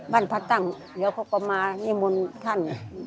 บ้านพระซัตงค์เดี๋ยวเขาก็มานี่มุนข้าน